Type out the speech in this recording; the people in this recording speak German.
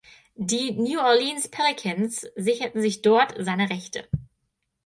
Die New Orleans Pelicans sicherten sich dort seine Rechte.